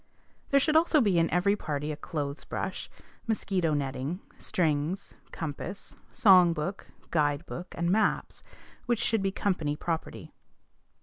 " There should also be in every party a clothes brush, mosquito netting, strings, compass, song book, guide book, and maps, which should be company property.